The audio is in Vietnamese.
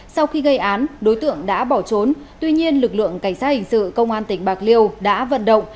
sau khi gây án đối tượng đã bỏ trốn tuy nhiên lực lượng cảnh sát hình sự công an tỉnh bạc liêu đã vận động